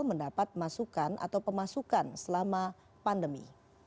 mendapat masukan atau pemasukan selama pandemi